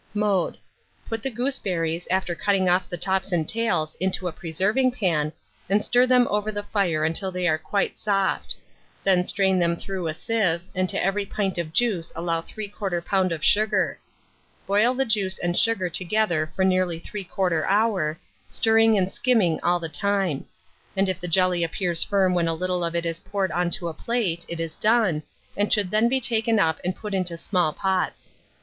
Mode. Put the gooseberries, after cutting off the tops and tails, into a preserving pan, and stir them over the fire until they are quite soft; then strain them through a sieve, and to every pint of juice allow 3/4 lb. of sugar. Boil the juice and sugar together for nearly 3/4 hour, stirring and skimming all the time; and if the jelly appears firm when a little of it is poured on to a plate, it is done, and should then be taken up and put into small pots.